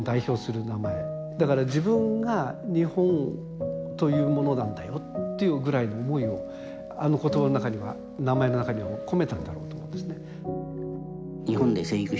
だから自分が日本というものなんだよっていうぐらいの思いをあの言葉の中には名前の中にも込めたんだろうと思うんですね。